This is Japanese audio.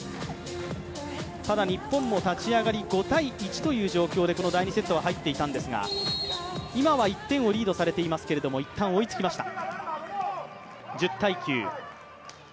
日本も立ち上がり、５−１という状況でこの第２セットは入っていたんですが、今は１点リードされていたんですが一旦、追いつきました。